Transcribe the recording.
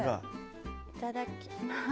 いただきます。